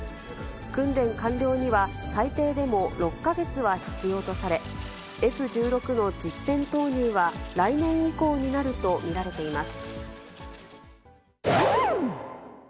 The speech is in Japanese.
訓練完了には最低でも６か月は必要とされ、Ｆ１６の実戦投入は来年以降になると見られています。